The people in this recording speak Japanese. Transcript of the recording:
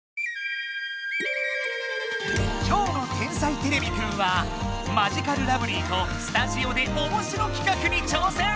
今日の「天才てれびくん」はマヂカルラブリーとスタジオでおもしろきかくに挑戦！